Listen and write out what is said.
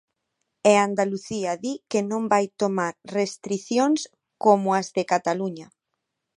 E Andalucía di que non vai tomar restricións como as de Cataluña.